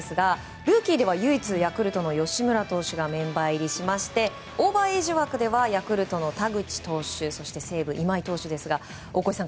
ルーキーでは唯一ヤクルトの吉村投手がメンバー入りしてオーバーエージ枠ではヤクルト、田口投手そして西武、今井投手ですが大越さん